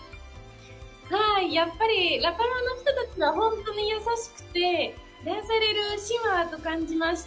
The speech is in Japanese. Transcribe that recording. やっぱりラ・パルマの人たちは本当に優しくて、癒やされる島と感じました。